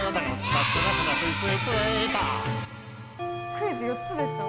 クイズ４つでしょ？